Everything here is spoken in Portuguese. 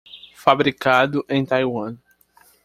Fabricado em Taiwan.